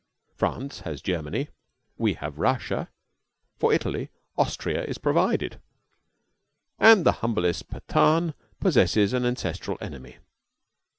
France has Germany; we have Russia; for Italy Austria is provided; and the humblest Pathan possesses an ancestral enemy.